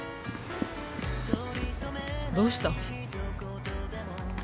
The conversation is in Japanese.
どうした？